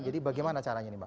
jadi bagaimana caranya ini mbak